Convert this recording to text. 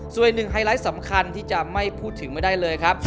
ส่วนอีกหนึ่งไฮไลท์สำคัญที่จะไม่พูดถึงไม่ได้เลยครับ